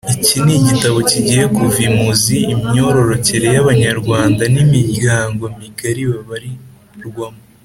Iki ni igitabo kigiye kuva imuzi imyororokere y’Abanyarwanda n’imiryango migari babarirwamo